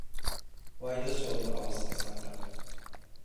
ワイドショーと合わせて三択。